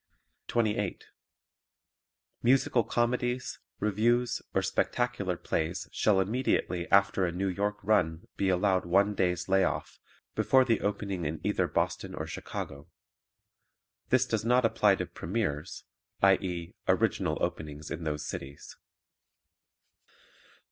28. Musical comedies, revues or spectacular plays shall immediately after a New York run be allowed one day's lay off before the opening in either Boston or Chicago. This does not apply to premieres, i.e., original openings in those cities.